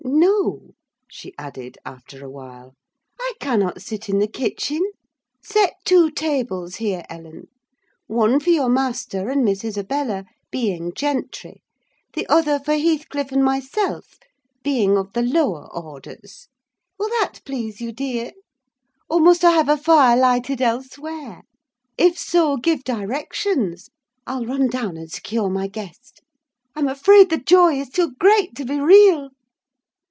"No," she added, after a while; "I cannot sit in the kitchen. Set two tables here, Ellen: one for your master and Miss Isabella, being gentry; the other for Heathcliff and myself, being of the lower orders. Will that please you, dear? Or must I have a fire lighted elsewhere? If so, give directions. I'll run down and secure my guest. I'm afraid the joy is too great to be real!"